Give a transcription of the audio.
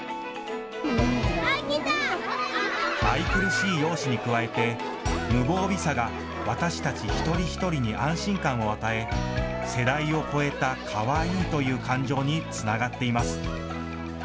愛くるしい容姿に加えて無防備さが私たち一人一人に安心感を与え、世代を超えたかわいいという感情につながっています。